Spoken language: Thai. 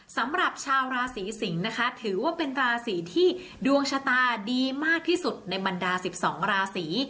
สำหรับชาวราศีสิงศ์นะคะถือว่าเป็นราศีที่ดวงชะตาดีมากที่สุดในบรรดา๑๒ราศี